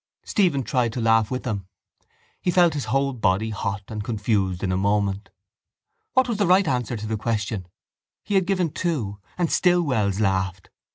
Stephen tried to laugh with them. He felt his whole body hot and confused in a moment. What was the right answer to the question? He had given two and still Wells laughed.